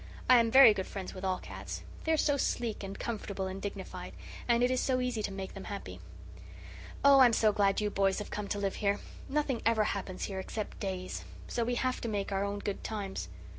I am very good friends with all cats. They are so sleek and comfortable and dignified. And it is so easy to make them happy. Oh, I'm so glad you boys have come to live here. Nothing ever happens here, except days, so we have to make our own good times.